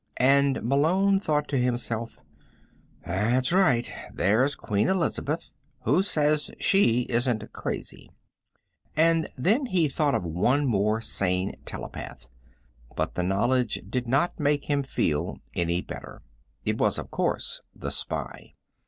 And Malone thought to himself: That's right. There's Queen Elizabeth who says she isn't crazy. And then he thought of one more sane telepath. But the knowledge did not make him feel any better. It was, of course, the spy.